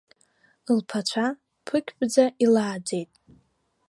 Лԥацәа ԥпгьпӡа илааӡеит.